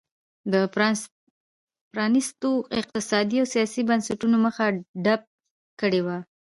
د پرانیستو اقتصادي او سیاسي بنسټونو مخه ډپ کړې وه.